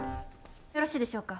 よろしいでしょうか。